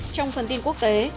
trong phần tin quốc tế